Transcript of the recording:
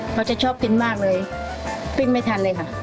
เขาจะชอบกินมากเลยปิ้งไม่ทันเลยค่ะ